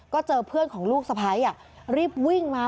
คนของลูกสะพ้ายอ่ะเรียบวิ่งมา